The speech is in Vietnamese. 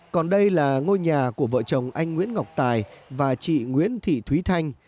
còn đây là ngôi nhà của vợ chồng anh nguyễn ngọc tài và chị nguyễn thị thúy thanh